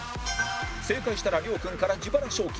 正解したら亮君から自腹賞金